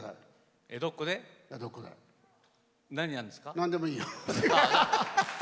なんでもいいよ！